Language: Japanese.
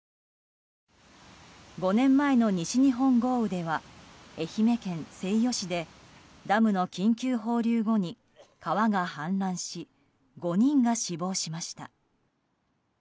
５年前の西日本豪雨では愛媛県西予市でダムの緊急放流後に川が氾濫し５人が死亡しました。